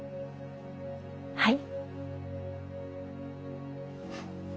はい。